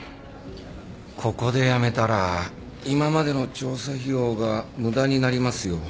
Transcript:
ここでやめたら今までの調査費用が無駄になりますよ？